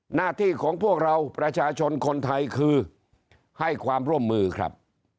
หน้าที่ของพวกเราประชาชนคนไทยคือให้ความร่วมมือครับ